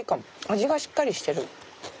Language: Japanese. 味がしっかりしてる。